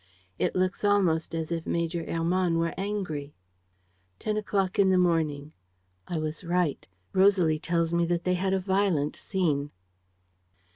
It looks almost as if Major Hermann were angry. "Ten o'clock in the morning. "I was right. Rosalie tells me that they had a violent scene.